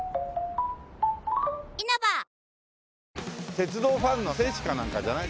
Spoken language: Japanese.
鉄道ファンの聖地かなんかじゃない？